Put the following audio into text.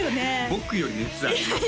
僕より熱あります